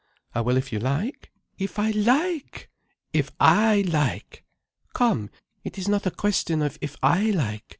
"I will if you like—" "If I like! If I like! Come, it is not a question of if I like.